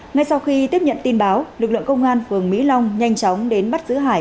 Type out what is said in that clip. ngay sau khi tiếp nhận tin báo lực lượng công an phường mỹ long nhanh chóng đến bắt giữ hải